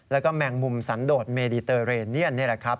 แล้วก็แมงมุมสันโดดเมดีเตอร์เรเนียนนี่แหละครับ